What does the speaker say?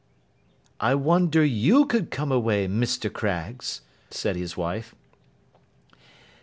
'I wonder you could come away, Mr. Craggs,' said his wife.